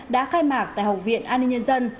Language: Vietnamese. đã khai mạc tại học viện an ninh nhân dân